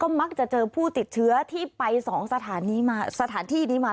ก็มักจะเจอผู้ติดเชื้อที่ไป๒สถานที่นี้มา